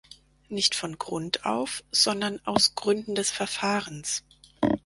Nicht von Grund auf, sondern aus Gründen des Verfahrens.